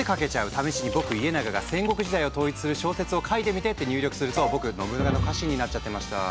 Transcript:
試しに僕家長が戦国時代を統一する小説を書いてみてって入力すると僕信長の家臣になっちゃってました。